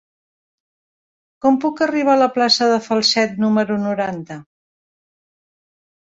Com puc arribar a la plaça de Falset número noranta?